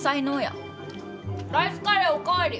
ライスカレーお代わり。